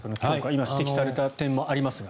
今、指摘された点もありますが。